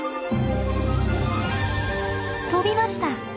飛びました！